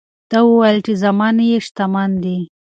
ده وویل چې زامن یې شتمن دي.